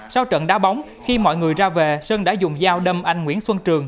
sau trận đá bóng khi mọi người ra về sơn đã dùng dao đâm anh nguyễn xuân trường